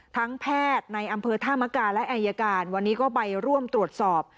แพทย์ในอำเภอธามกาและอายการวันนี้ก็ไปร่วมตรวจสอบ